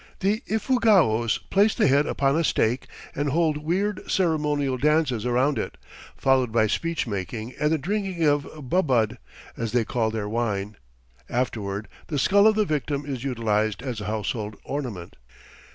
The Ifugaos place the head upon a stake and hold weird ceremonial dances around it, followed by speech making and the drinking of bubud, as they call their wine; afterward the skull of the victim is utilized as a household ornament.